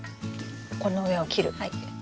この上を切る。